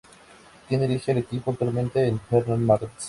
Quien dirige al equipo actualmente es Hernán Martel.